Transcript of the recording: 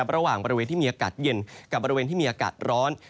ระหว่างบริเวณที่มีอากาศเย็นกับอากาศร้อน